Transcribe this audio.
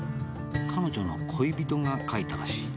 「彼女の恋人が書いたらしい」